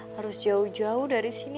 harus jauh jauh dari sini